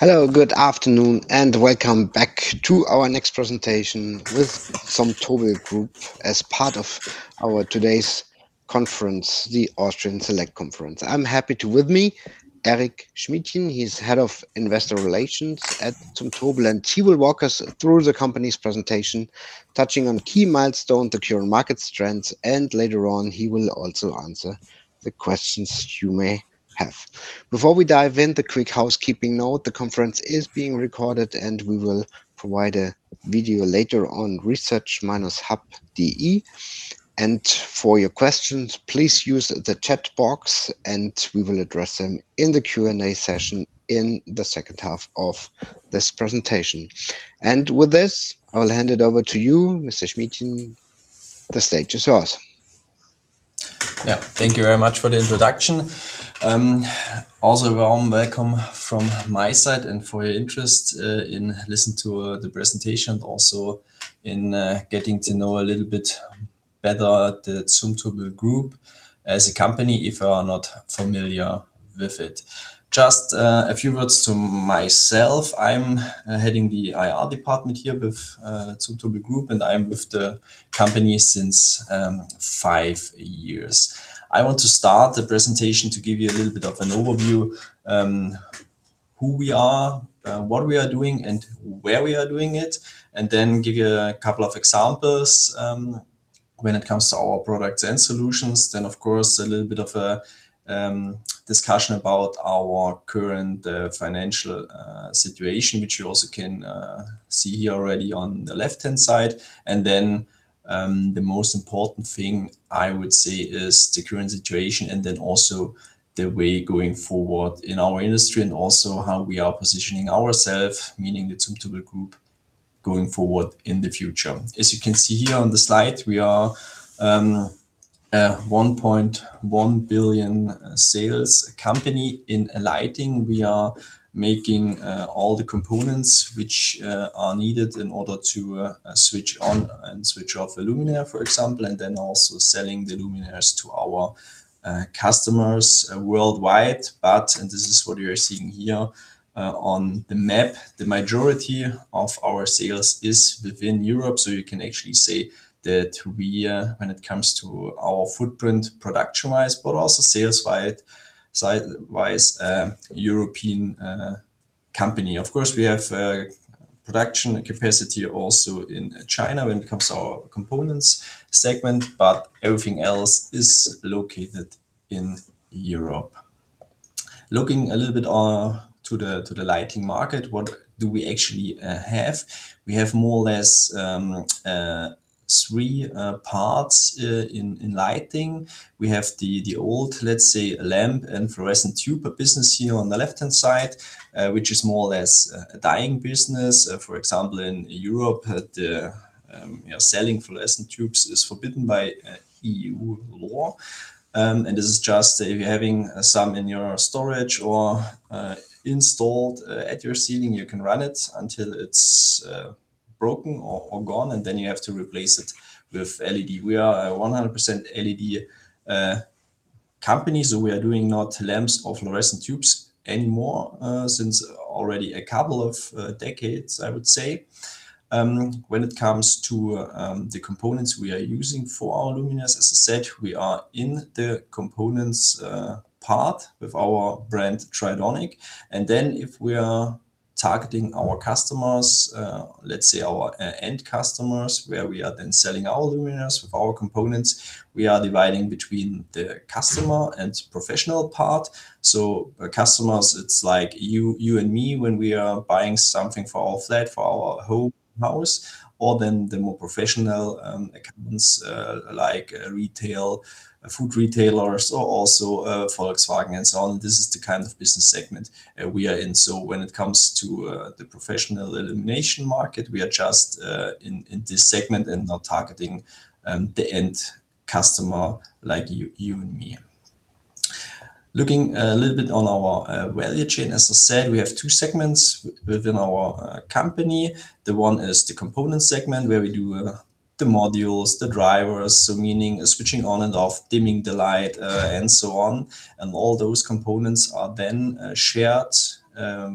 Hello. Good afternoon, and welcome back to our next presentation with Zumtobel Group as part of today's conference, the Austrian Select Conference. I'm happy to have with me, Eric Schmiedchen. He's Head of Investor Relations at Zumtobel, and he will walk us through the company's presentation, touching on key milestones, the current market strengths, and later on, he will also answer the questions you may have. Before we dive in, a quick housekeeping note. The conference is being recorded, and we will provide a video later on ResearchHub. For your questions, please use the chat box, and we will address them in the Q&A session in the second half of this presentation. With this, I will hand it over to you, Mr. Schmiedchen. The stage is yours. Yeah. Thank you very much for the introduction. Also, warm welcome from my side, and for your interest in listen to the presentation, also in getting to know a little bit better the Zumtobel Group as a company, if you are not familiar with it. Just a few words to myself. I'm heading the IR department here with Zumtobel Group, and I'm with the company since five years. I want to start the presentation to give you a little bit of an overview, who we are, what we are doing, and where we are doing it, and then give you a couple of examples when it comes to our products and solutions. Of course, a little bit of a discussion about our current financial situation, which you also can see here already on the left-hand side. The most important thing I would say is the current situation, and then also the way going forward in our industry and also how we are positioning ourselves, meaning the Zumtobel Group, going forward in the future. As you can see here on the slide, we are a 1.1 billion sales company in lighting. We are making all the components which are needed in order to switch on and switch off a luminaire, for example, and then also selling the luminaires to our customers worldwide. This is what you are seeing here on the map, the majority of our sales is within Europe, so you can actually say that we, when it comes to our footprint production-wise, but also sales-wise, are a European company. Of course, we have production capacity also in China when it comes to our Components segment, but everything else is located in Europe. Looking a little bit to the lighting market, what do we actually have? We have more or less three parts in lighting. We have the old, let's say, lamp and fluorescent tube business here on the left-hand side, which is more or less a dying business. For example, in Europe, selling fluorescent tubes is forbidden by EU law. This is just if you're having some in your storage or installed at your ceiling, you can run it until it's broken or gone, and then you have to replace it with LED. We are a 100% LED company, so we are doing not lamps of fluorescent tubes anymore, since already a couple of decades, I would say. When it comes to the components we are using for our luminaires, as I said, we are in the components part with our brand, Tridonic. If we are targeting our customers, let's say our end customers, where we are then selling our luminaires with our components, we are dividing between the customer and professional part. Customers, it's like you and me when we are buying something for our flat, for our home, house, or then the more professional accounts like retail, food retailers, or also Volkswagen and so on. This is the kind of business segment we are in. When it comes to the professional illumination market, we are just in this segment and not targeting the end customer like you and me. Looking a little bit on our value chain, as I said, we have two segments within our company. The one is the Component segment, where we do the modules, the drivers, so meaning switching on and off, dimming the light, and so on. All those components are then shared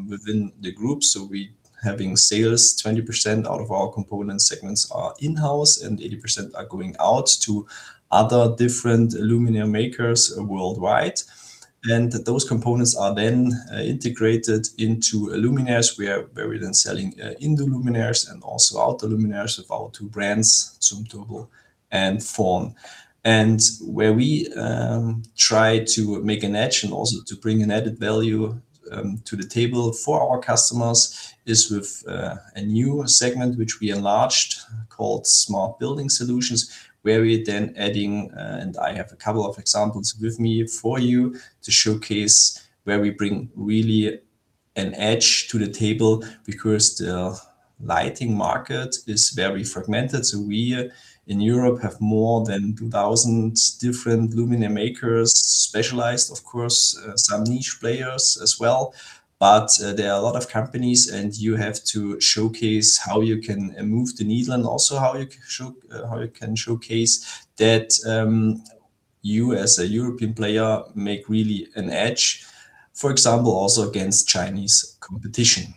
within the group. We having sales, 20% out of our Component segments are in-house, and 80% are going out to other different luminaire makers worldwide. Those components are then integrated into luminaires, where we're then selling in the luminaires and also out the luminaires with our two brands, Zumtobel and Thorn. Where we try to make an edge and also to bring an added value to the table for our customers is with a new segment which we enlarged called Smart Building Solutions, where we are then adding, and I have a couple of examples with me for you to showcase where we bring really an edge to the table because the lighting market is very fragmented. We in Europe have more than 2,000 different luminaire makers, specialized, of course, some niche players as well. There are a lot of companies and you have to showcase how you can move the needle and also how you can showcase that you as a European player make really an edge, for example, also against Chinese competition.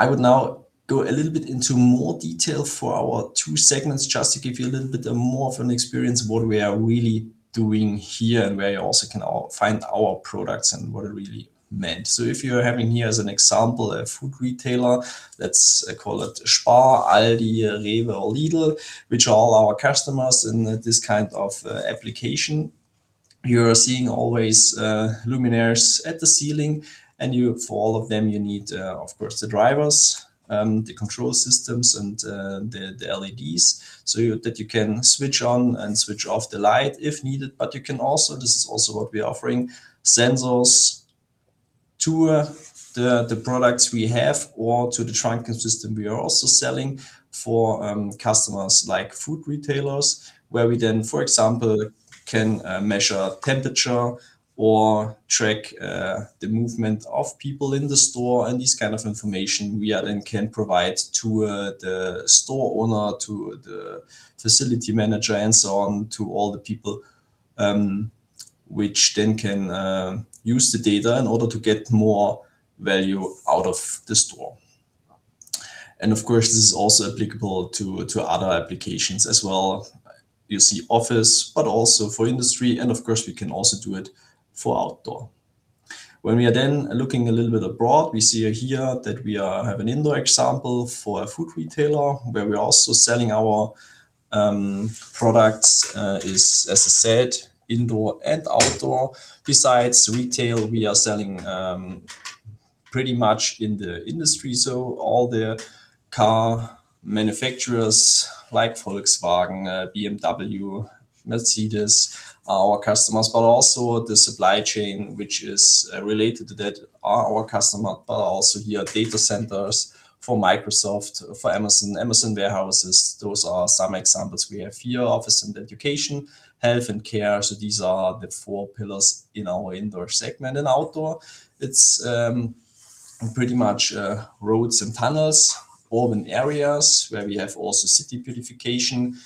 I would now go a little bit into more detail for our two segments, just to give you a little bit more of an experience what we are really doing here and where you also can find our products and what are really meant. If you're having here as an example, a food retailer, let's call it Spar, Aldi, REWE or Lidl, which are all our customers in this kind of application. You are seeing always luminaires at the ceiling. For all of them, you need, of course, the drivers, the control systems and the LEDs, so that you can switch on and switch off the light if needed. You can also, this is also what we are offering, sensors to the products we have or to the tracking system we are also selling for customers like food retailers, where we then, for example, can measure temperature or track the movement of people in the store. This kind of information we then can provide to the store owner, to the facility manager and so on, to all the people, which then can use the data in order to get more value out of the store. Of course, this is also applicable to other applications as well. You see office, but also for industry. Of course, we can also do it for outdoor. When we are then looking a little bit abroad, we see here that we have an indoor example for a food retailer where we're also selling our products, as I said, indoor and outdoor. Besides retail, we are selling pretty much in the industry. All the car manufacturers like Volkswagen, BMW, Mercedes are our customers, but also the supply chain which is related to that are our customer. Also here, data centers for Microsoft, for Amazon warehouses. Those are some examples we have here, office and education, health and care. These are the four pillars in our indoor segment. Outdoor, it's pretty much roads and tunnels, urban areas where we have also city beautification,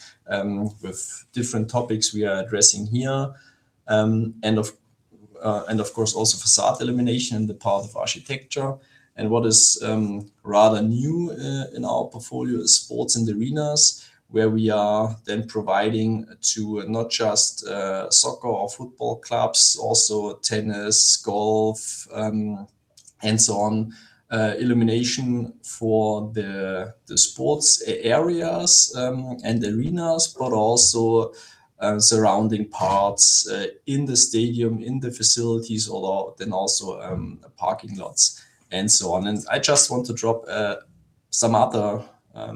with different topics we are addressing here. Of course also facade illumination in the part of architecture. What is rather new in our portfolio is sports and arenas, where we are then providing to not just soccer or football clubs, also tennis, golf, and so on, illumination for the sports areas, and arenas, but also surrounding parts in the stadium, in the facilities, then also parking lots and so on. I just want to drop some other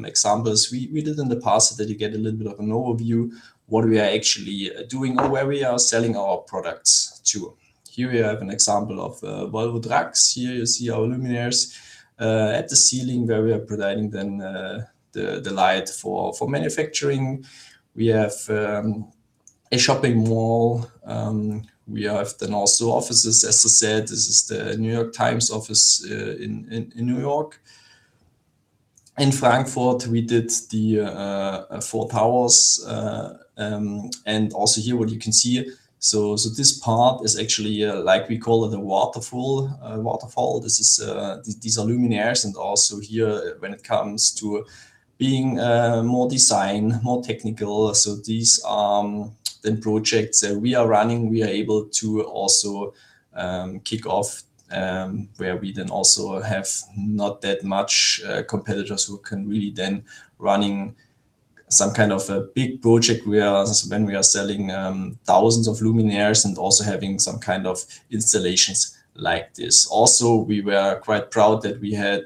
examples we did in the past that you get a little bit of an overview what we are actually doing or where we are selling our products to. Here we have an example of Volvo Trucks. Here you see our luminaires at the ceiling where we are providing then the light for manufacturing. We have a shopping mall. We have then also offices. As I said, this is The New York Times office in New York. In Frankfurt, we did the FOUR towers. Also here what you can see, so this part is actually like we call it a waterfall. These are luminaires. Also here when it comes to being more design, more technical. These projects we are running, we are able to also kick off, where we then also have not that much competitors who can really then running some kind of a big project when we are selling thousands of luminaires and also having some kind of installations like this. Also, we were quite proud that we had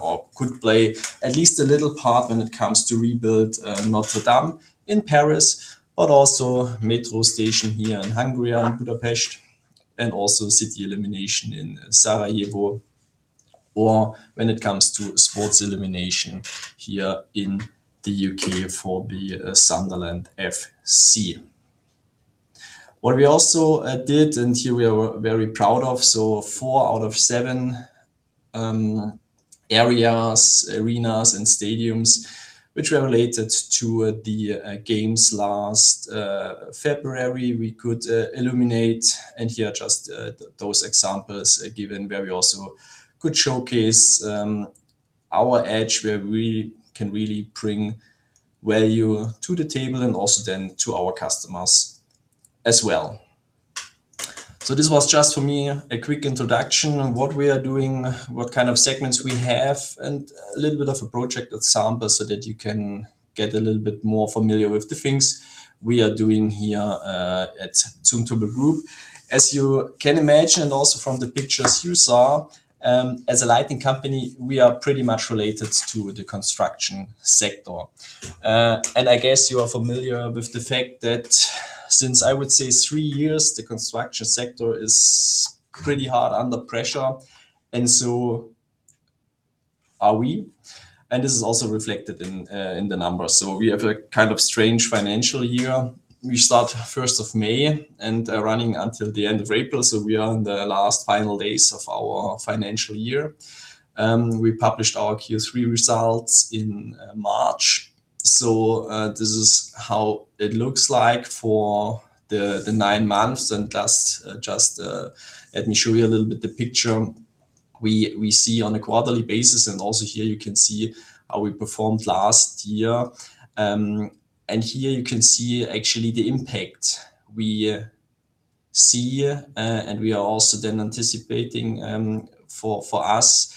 or could play at least a little part when it comes to rebuild Notre Dame in Paris, but also metro station here in Hungary, in Budapest, and also city illumination in Sarajevo. Or when it comes to sports illumination here in the U.K. for the Sunderland A.F.C. What we also did and here we are very proud of, four out of seven areas, arenas and stadiums which were related to the games last February, we could illuminate. Here just those examples given where we also could showcase our edge, where we can really bring value to the table and also then to our customers as well. This was just for me a quick introduction on what we are doing, what kind of segments we have, and a little bit of a project example so that you can get a little bit more familiar with the things we are doing here at Zumtobel Group. As you can imagine, and also from the pictures you saw, as a lighting company, we are pretty much related to the construction sector. I guess you are familiar with the fact that since I would say three years, the construction sector is pretty hard under pressure. We are, and this is also reflected in the numbers. We have a kind of strange financial year. We start 1st of May and running until the end of April. We are in the last final days of our financial year. We published our Q3 results in March. This is how it looks like for the nine months. Just let me show you a little bit the picture we see on a quarterly basis, and also here you can see how we performed last year. Here you can see actually the impact we see, and we are also then anticipating for us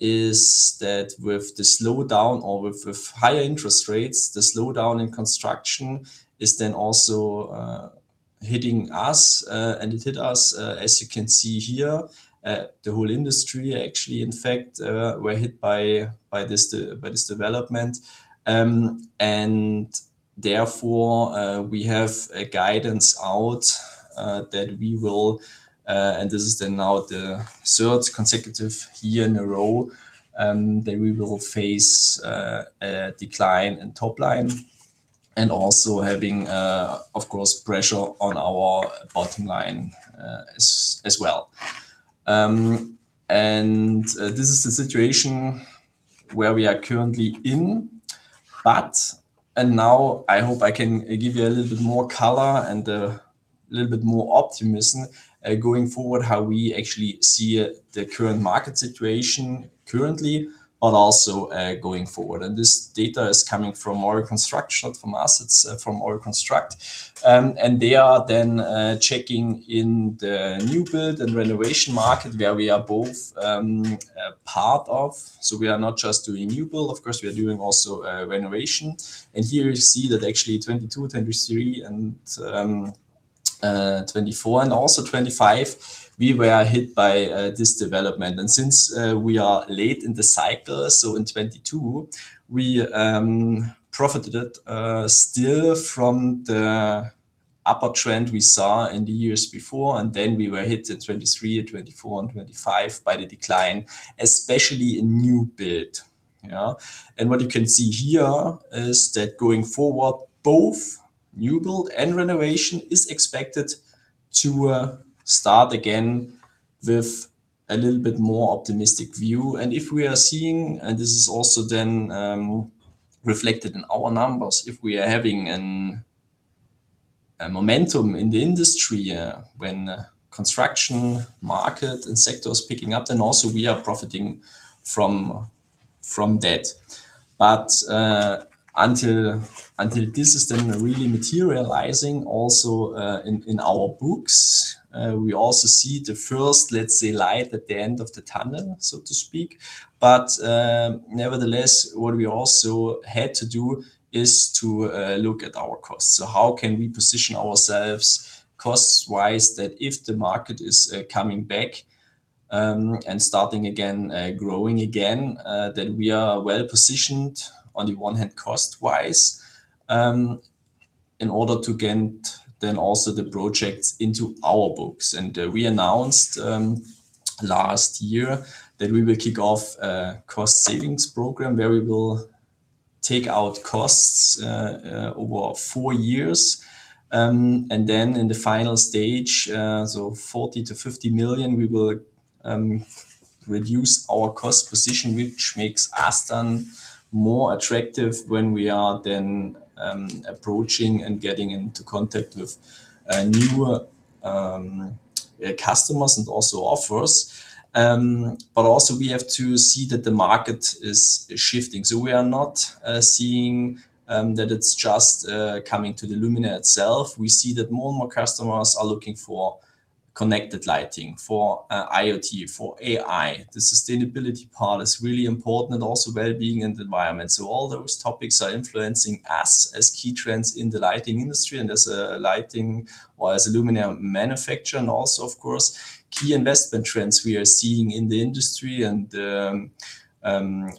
is that with the slowdown or with higher interest rates, the slowdown in construction is then also hitting us. It hit us, as you can see here. The whole industry, actually, in fact, were hit by this development. Therefore, we have a guidance out that we will and this is then now the third consecutive year in a row, that we will face a decline in top line and also having, of course, pressure on our bottom line as well. This is the situation where we are currently in. Now I hope I can give you a little bit more color and a little bit more optimism going forward, how we actually see the current market situation currently, but also going forward. This data is coming from EUROCONSTRUCT, not from us, it's from EUROCONSTRUCT. They are then checking in the new build and renovation market where we are both part of. We are not just doing new build, of course, we are doing also renovation. Here you see that actually 2022, 2023 and 2024 and also 2025, we were hit by this development. Since we are late in the cycle, so in 2022, we profited still from the upward trend we saw in the years before, and then we were hit in 2023 and 2024 and 2025 by the decline, especially in new build. What you can see here is that going forward, both new build and renovation is expected to start again with a little bit more optimistic view. If we are seeing, and this is also then reflected in our numbers, if we are having a momentum in the industry when construction market and sector is picking up, then also we are profiting from that. Until this is then really materializing also in our books, we also see the first, let's say, light at the end of the tunnel, so to speak. Nevertheless, what we also had to do is to look at our costs. How can we position ourselves cost-wise that if the market is coming back and starting again, growing again, that we are well positioned on the one hand cost-wise in order to get then also the projects into our books. We announced last year that we will kick off a cost savings program where we will take out costs over four years. Then in the final stage, so 40 million-50 million, we will reduce our cost position, which makes us then more attractive when we are then approaching and getting into contact with new customers and also offers. Also we have to see that the market is shifting. We are not seeing that it's just coming to the luminaire itself. We see that more and more customers are looking for connected lighting, for IoT, for AI. The sustainability part is really important and also wellbeing and the environment. All those topics are influencing us as key trends in the lighting industry and as a lighting or as a luminaire manufacturer. Also of course, key investment trends we are seeing in the industry and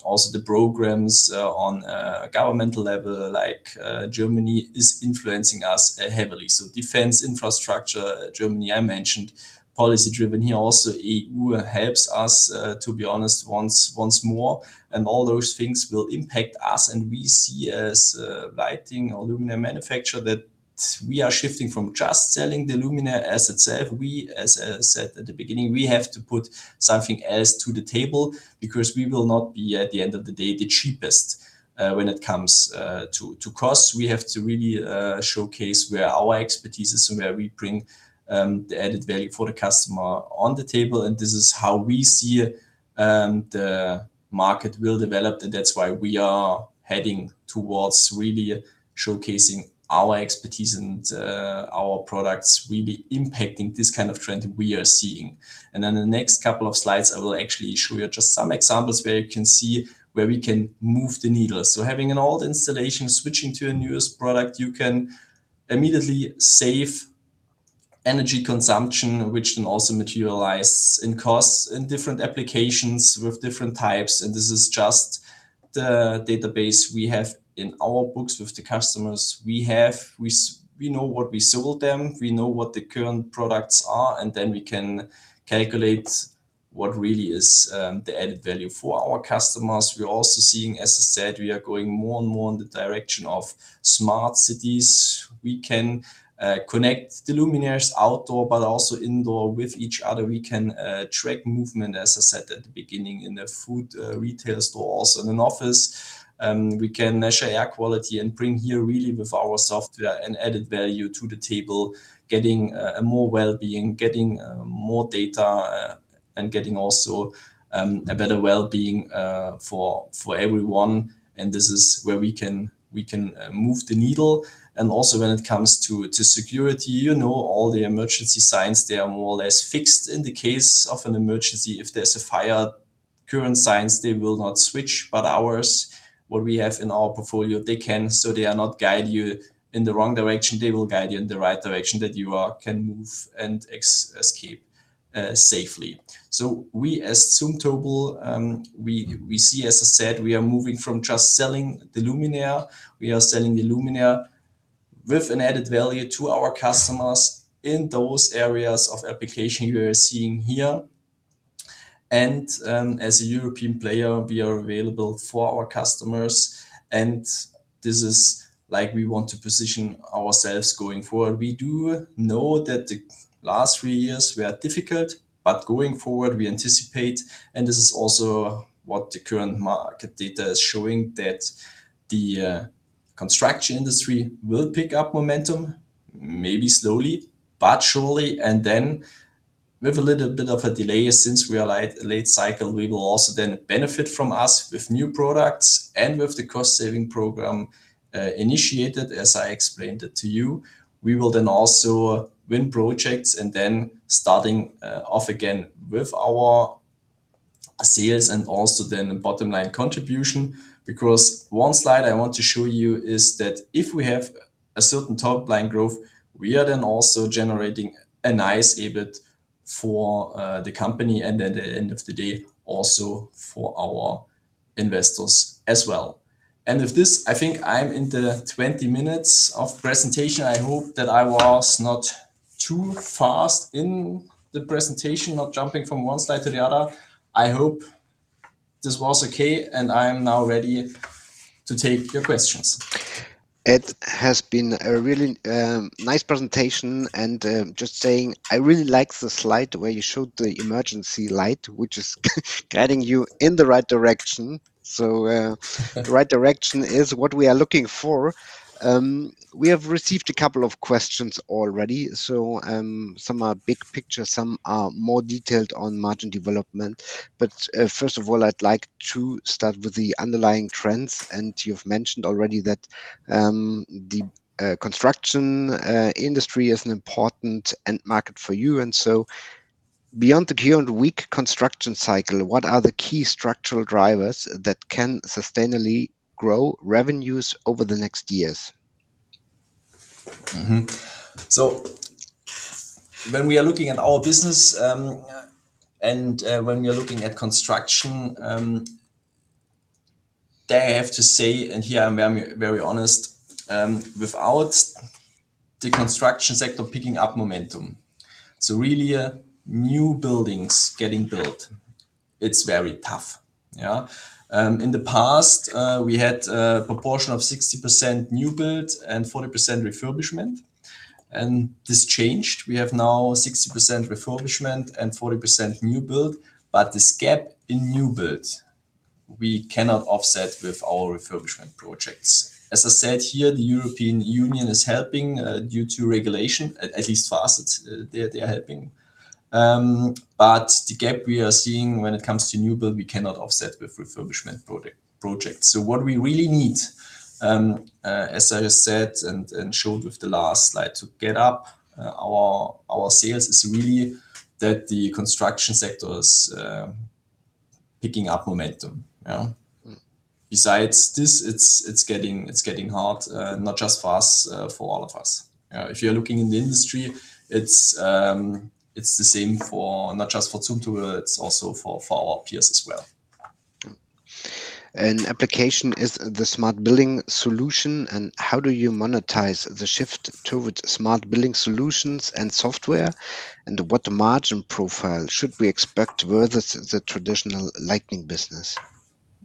also the programs on a governmental level like Germany is influencing us heavily. Defense infrastructure, Germany, I mentioned policy driven here also EU helps us, to be honest once more and all those things will impact us and we see as lighting or luminaire manufacturer that we are shifting from just selling the luminaire as it is. We, as I said at the beginning, we have to put something else to the table because we will not be, at the end of the day, the cheapest when it comes to costs. We have to really showcase where our expertise is and where we bring the added value for the customer on the table. This is how we see the market will develop, and that's why we are heading towards really showcasing our expertise and our products really impacting this kind of trend we are seeing. The next couple of slides I will actually show you are just some examples where you can see where we can move the needle. Having an old installation, switching to a newest product, you can immediately save energy consumption, which then also materializes in costs in different applications with different types and this is just the database we have in our books with the customers we have. We know what we sold them, we know what the current products are, and then we can calculate what really is the added value for our customers. We're also seeing, as I said, we are going more and more in the direction of smart cities. We can connect the luminaires outdoor, but also indoor with each other. We can track movement, as I said at the beginning, in the food retail stores and in office. We can measure air quality and bring here really with our software an added value to the table, getting a more wellbeing, getting more data, and getting also a better wellbeing for everyone. This is where we can move the needle. Also when it comes to security, all the emergency signs, they are more or less fixed in the case of an emergency. If there's a fire, current signs, they will not switch. Ours, what we have in our portfolio, they can. They are not guide you in the wrong direction. They will guide you in the right direction that you can move and escape safely. We, as Zumtobel, we see, as I said, we are moving from just selling the luminaire. We are selling the luminaire with an added value to our customers in those areas of application you are seeing here. As a European player, we are available for our customers. This is like we want to position ourselves going forward. We do know that the last three years were difficult, but going forward, we anticipate, and this is also what the current market data is showing, that the construction industry will pick up momentum, maybe slowly, but surely. Then with a little bit of a delay, since we are late cycle, we will also then benefit from us with new products and with the cost-saving program initiated, as I explained it to you. We will then also win projects and then starting off again with our sales and also then the bottom line contribution. Because one slide I want to show you is that if we have a certain top line growth, we are then also generating a nice EBIT for the company and at the end of the day, also for our investors as well. With this, I think I'm in the 20 minutes of presentation. I hope that I was not too fast in the presentation, not jumping from one slide to the other. I hope this was okay, and I am now ready to take your questions. It has been a really nice presentation and just saying, I really like the slide where you showed the emergency light, which is guiding you in the right direction. The right direction is what we are looking for. We have received a couple of questions already. Some are big picture, some are more detailed on margin development. First of all, I'd like to start with the underlying trends. You've mentioned already that the construction industry is an important end market for you. Beyond the current weak construction cycle, what are the key structural drivers that can sustainably grow revenues over the next years? When we are looking at our business, and when we are looking at construction, there I have to say, and here I'm very honest, without the construction sector picking up momentum, so really new buildings getting built, it's very tough. In the past, we had a proportion of 60% new build and 40% refurbishment, and this changed. We have now 60% refurbishment and 40% new build, but this gap in new build, we cannot offset with our refurbishment projects. As I said here, the European Union is helping due to regulation, at least for us, they are helping. The gap we are seeing when it comes to new build, we cannot offset with refurbishment projects. What we really need, as I said and showed with the last slide, to get up our sales is really that the construction sector's picking up momentum. Mm. Besides this, it's getting hard, not just for us, for all of us. If you're looking in the industry, it's the same for not just Zumtobel, it's also for our peers as well. An application is the Smart Building Solution, and how do you monetize the shift towards Smart Building Solutions and software? What margin profile should we expect versus the traditional lighting business?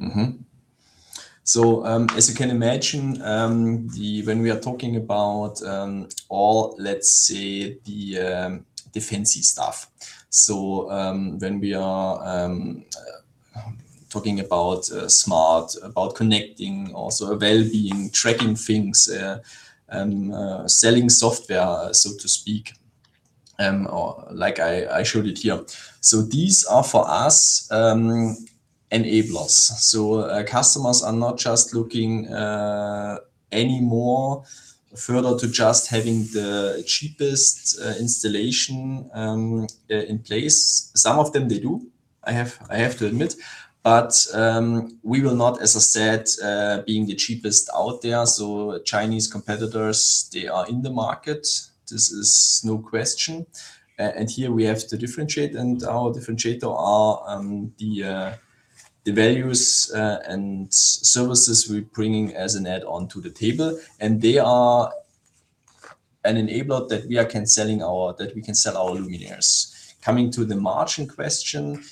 As you can imagine, when we are talking about all, let's say, the fancy stuff. When we are talking about smart, about connecting, also a wellbeing, tracking things, selling software, so to speak, or like I showed it here. These are for us enablers. Customers are not just looking any more further to just having the cheapest installation in place. Some of them they do, I have to admit. We will not, as I said, being the cheapest out there. Chinese competitors, they are in the market. This is no question. Here we have to differentiate, and our differentiator are the values and services we're bringing as an add-on to the table. They are an enabler that we can sell our luminaires. Coming to the margin question,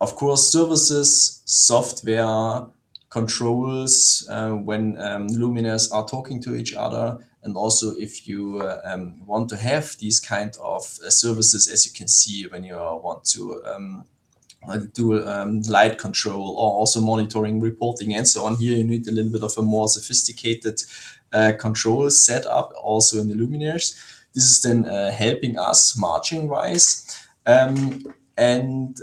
of course, services, software, controls, when luminaires are talking to each other, and also if you want to have these kind of services, as you can see when you want to do a light control or also monitoring, reporting and so on, here you need a little bit of a more sophisticated control set up also in the luminaires. This is then helping us margin-wise, and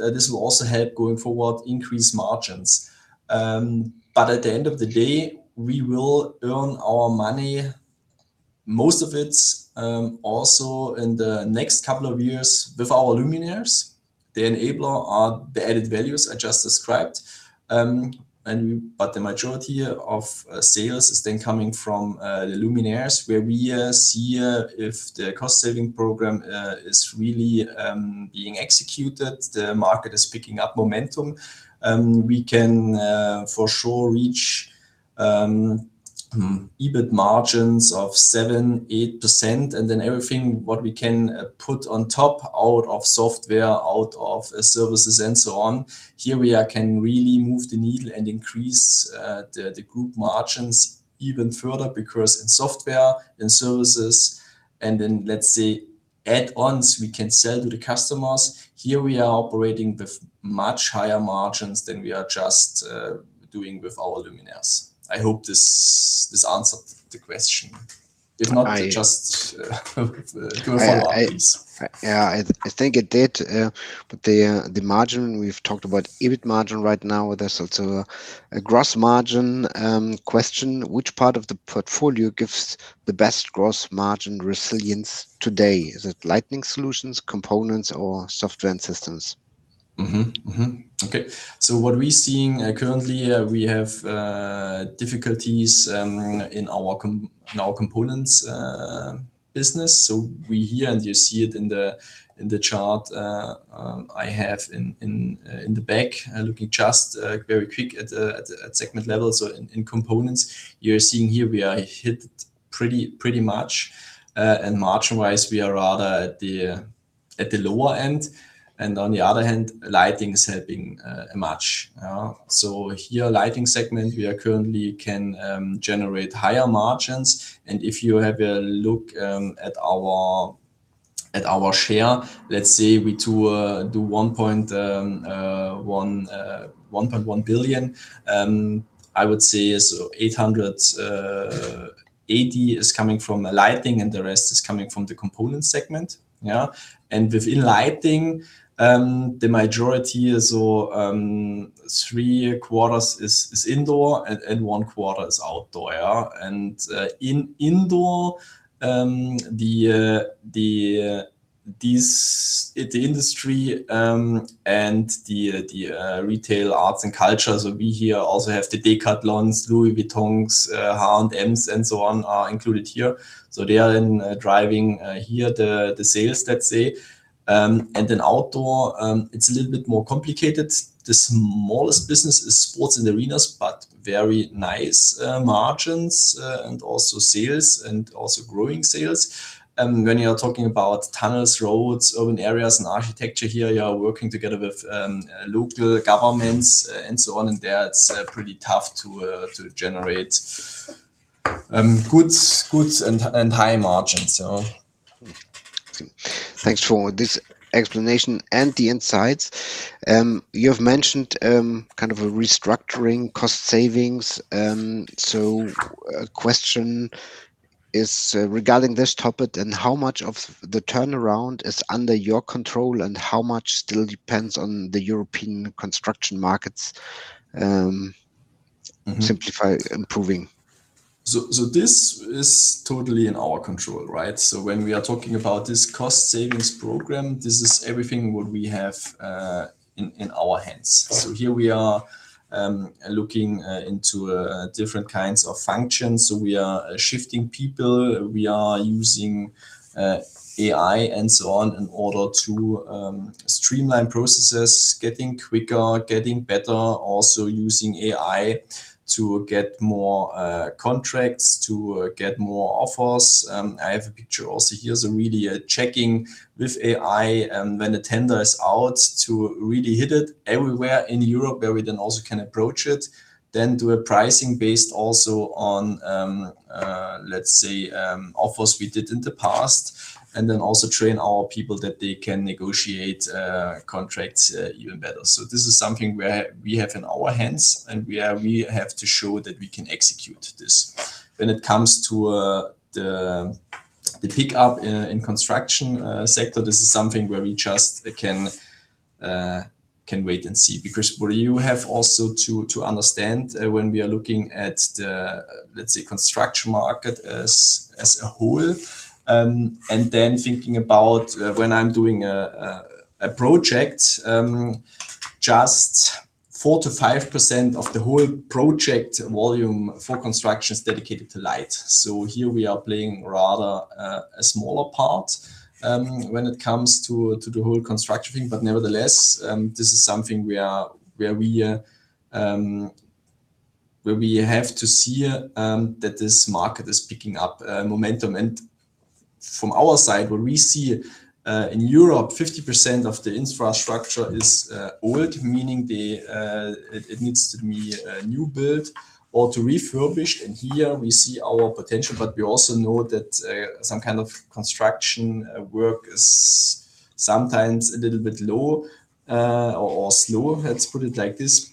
this will also help going forward increase margins. At the end of the day, we will earn our money, most of it, also in the next couple of years with our luminaires. The enabler are the added values I just described, but the majority of sales is then coming from the luminaires, where we see if the cost-saving program is really being executed, the market is picking up momentum. We can for sure reach EBIT margins of 7%-8%, and then everything, what we can put on top out of software, out of services and so on. Here, we can really move the needle and increase the group margins even further, because in software and services and in, let's say, add-ons we can sell to the customers. Here, we are operating with much higher margins than we are just doing with our luminaires. I hope this answered the question. If not, just give a follow-up, please. Yeah, I think it did. The margin, we've talked about EBIT margin right now. There's also a gross margin question. Which part of the portfolio gives the best gross margin resilience today? Is it lighting solutions, components, or software and systems? What we're seeing currently, we have difficulties in our components business. We hear, and you see it in the chart I have in the back, looking just very quick at segment levels or in components. You're seeing here we are hit pretty much, and margin-wise, we are rather at the lower end. On the other hand, lighting is helping much. Here, Lighting segment, we currently can generate higher margins. If you have a look at our share, let's say we do 1.1 billion. I would say so 880 million is coming from the lighting, and the rest is coming from the Components segment. Within lighting, the majority is, or 3/4 is indoor and 1/4 is outdoor. In indoor, the industry and the retail, arts and culture. We here also have the Decathlon, Louis Vuitton, H&M and so on are included here. They are then driving here the sales, let's say. Then outdoor, it's a little bit more complicated. The smallest business is sports and arenas, but very nice margins, and also sales, and also growing sales. When you are talking about tunnels, roads, open areas and architecture here, you are working together with local governments and so on, and there it's pretty tough to generate growth and high margins. Thanks for this explanation and the insights. You've mentioned kind of a restructuring cost savings. A question is regarding this topic then, how much of the turnaround is under your control, and how much still depends on the European construction market simply improving? This is totally in our control, right? When we are talking about this cost savings program, this is everything what we have in our hands. Here we are looking into different kinds of functions. We are shifting people, we are using AI and so on in order to streamline processes, getting quicker, getting better, also using AI to get more contracts, to get more offers. I have a picture also here. Really checking with AI when a tender is out to really hit it everywhere in Europe where we then also can approach it. Do a pricing based also on, let's say, offers we did in the past, and then also train our people that they can negotiate contracts even better. This is something where we have in our hands, and we have to show that we can execute this. When it comes to the pickup in construction sector, this is something where we just can wait and see. What you have also to understand when we are looking at the, let's say, construction market as a whole, and then thinking about when I'm doing a project, just 4%-5% of the whole project volume for construction is dedicated to lighting. Here we are playing rather a smaller part when it comes to the whole construction thing. Nevertheless, this is something where we have to see that this market is picking up momentum. From our side, what we see in Europe, 50% of the infrastructure is old, meaning it needs to be new build or to refurbish. Here we see our potential, but we also know that some kind of construction work is sometimes a little bit slow or slower. Let's put it like this.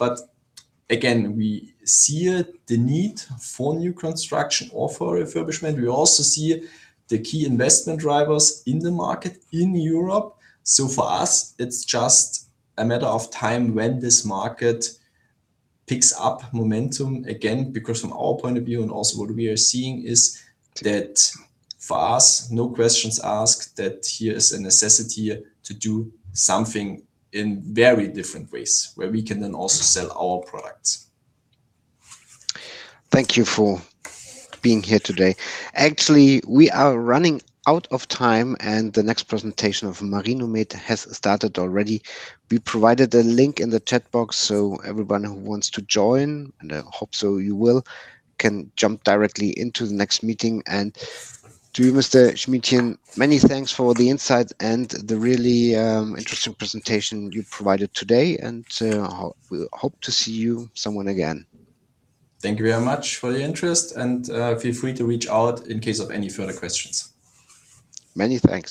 Again, we see the need for new construction or for refurbishment. We also see the key investment drivers in the market in Europe. For us, it's just a matter of time when this market picks up momentum again. Because from our point of view and also what we are seeing is that for us, no questions asked, that here is a necessity to do something in very different ways where we can then also sell our products. Thank you for being here today. Actually, we are running out of time, and the next presentation of Marinomed has started already. We provided the link in the chat box, so everyone who wants to join, and I hope so you will, can jump directly into the next meeting. To you, Mr. Schmiedchen, many thanks for the insight and the really interesting presentation you provided today. We hope to see you sometime again. Thank you very much for the interest, and feel free to reach out in case of any further questions. Many thanks.